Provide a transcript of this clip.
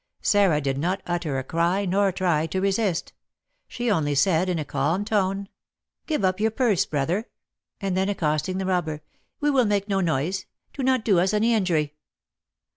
Sarah did not utter a cry, nor try to resist; she only said, in a calm tone, "Give up your purse, brother;" and then accosting the robber, "We will make no noise; do not do us any injury."